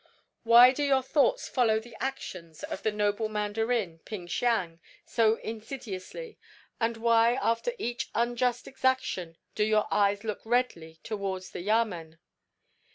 "Why do your thoughts follow the actions of the noble Mandarin Ping Siang so insidiously, and why after each unjust exaction do your eyes look redly towards the Yamen?